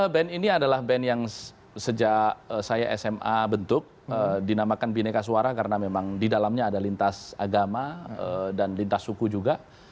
band ini adalah band yang sejak saya sma bentuk dinamakan bineka suara karena memang di dalamnya ada lintas agama dan lintas suku juga